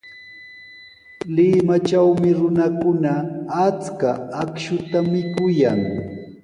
Limatrawmi runakuna achka akshuta mikuyan.